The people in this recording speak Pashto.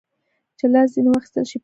چې لاس ځینې واخیستل شي پوه شوې!.